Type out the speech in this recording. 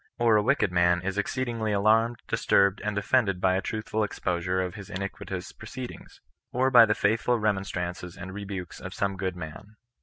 Or a wicked man is exceedingly alarmed, disturbed, and offended by a truthful exposure of his iniquitous proceedings, or by the faithful remonstrances and rebukes of some good man.